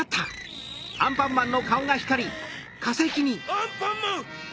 アンパンマン！